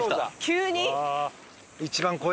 急に。